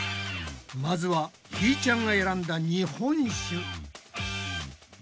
まずはひーちゃんが選んだ日本酒。